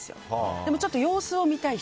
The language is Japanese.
でも、ちょっと様子を見たい人。